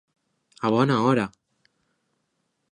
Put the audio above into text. A bona hora!